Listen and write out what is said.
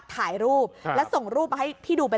ถ่ายรูปแล้วส่งรูปมาให้พี่ดูไป